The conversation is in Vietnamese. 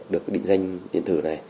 được định danh điện tử